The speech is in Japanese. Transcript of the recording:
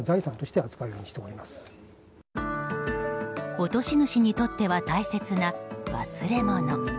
落とし主にとっては大切な忘れ物。